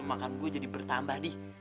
makan gue jadi bertambah nih